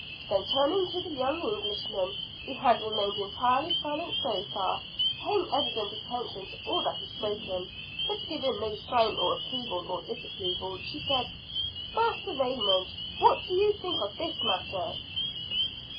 Then, turning to the young Englishman, who had remained entirely silent so far, paying evident attention to all that was spoken, but giving no sign of approval or disapproval, she said, "Master Raymond, what do you think of this matter?"